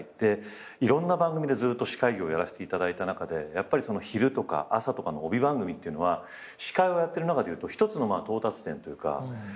いろんな番組でずっと司会業やらせていただいた中でやっぱり昼とか朝とかの帯番組っていうのは司会をやってる中でいうと一つの到達点というか。